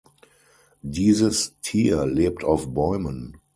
Dieses Tier lebt auf Bäumen.